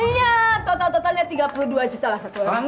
iya total totalnya tiga puluh dua juta lah satu orang